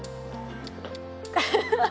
ハハハハ！